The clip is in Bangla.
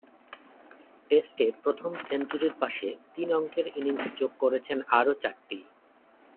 টেস্টে প্রথম সেঞ্চুরির পাশে তিন অঙ্কের ইনিংস যোগ করেছেন আরও চারটি।